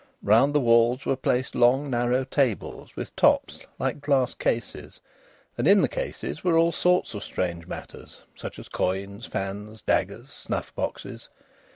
Round the walls were placed long narrow tables with tops like glass cases, and in the cases were all sorts of strange matters such as coins, fans, daggers, snuff boxes.